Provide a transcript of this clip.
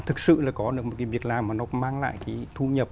thực sự là có được một cái việc làm mà nó mang lại cái thu nhập